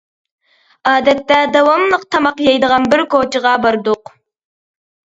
ئادەتتە داۋاملىق تاماق يەيدىغان بىر كوچىغا باردۇق.